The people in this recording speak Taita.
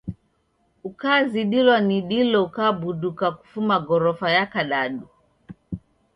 Ukazidilwa ni dilo ukabuduka kufuma gorofa ya kadadu.